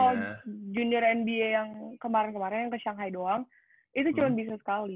kalau junior nba yang kemarin kemarin yang ke shanghai doang itu cuma bisa sekali